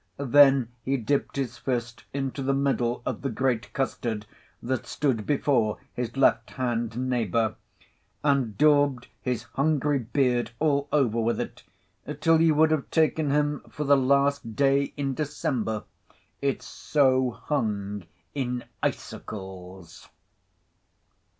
Then he dipt his fist into the middle of the great custard that stood before his left hand neighbour, and daubed his hungry beard all over with it, till you would have taken him for the Last Day in December, it so hung in icicles.